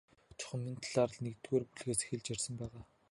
Чухам энэ талаар л нэгдүгээр бүлгээс эхэлж ярьсан байгаа.